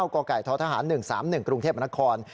กไก่ท้อทหาร๑๓๑กรุงเทพนคร